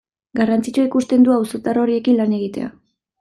Garrantzitsua ikusten du auzotar horiekin lan egitea.